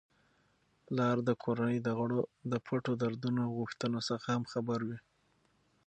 پلار د کورنی د غړو د پټو دردونو او غوښتنو څخه هم خبر وي.